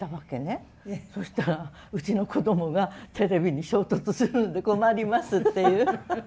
そしたら「うちのこどもがテレビに衝突するんで困ります」っていう。